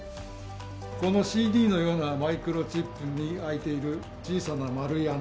このＣＤのようなマイクロチップに開いている小さな丸い穴。